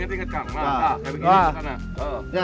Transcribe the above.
kayak begini di sana